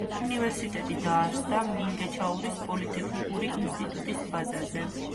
უნივერსიტეტი დაარსდა მინგეჩაურის პოლიტექნიკური ინსტიტუტის ბაზაზე.